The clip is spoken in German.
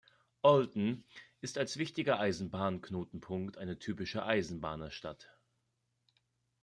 Olten ist als wichtiger Eisenbahnknotenpunkt eine typische Eisenbahnerstadt.